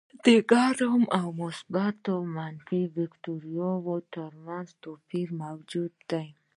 د ګرام مثبت او منفي باکتریاوو تر منځ توپیر موجود دی.